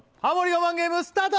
我慢ゲームスタート！